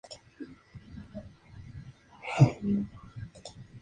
Ellos tienen una hija.